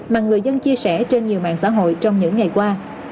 mà người dân chia sẻ trên nhiều mạng xã hội trong những ngày qua